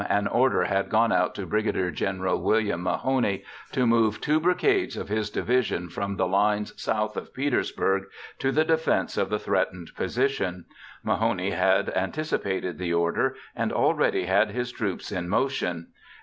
an order had gone out to Brig. Gen. William Mahone to move two brigades of his division from the lines south of Petersburg to the defense of the threatened position; Mahone had anticipated the order and already had his troops in motion.